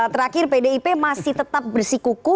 terakhir pdip masih tetap bersikuku